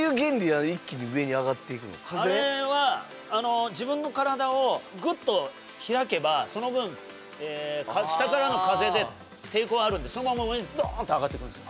あれはあの自分の体をグッと開けばその分下からの風で抵抗あるんでそのまんま上にストーンって上がっていくんですよ。